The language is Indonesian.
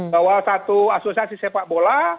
bahwa satu asosiasi sepak bola